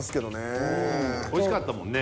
おいしかったもんね。